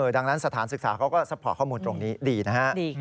ดังนั้นสถานศึกษาเขาก็ซัพพอร์ตข้อมูลตรงนี้ดีนะฮะ